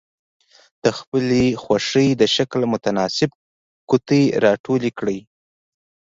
د خپلې خوښې د شکل متناسب قطي را ټولې کړئ.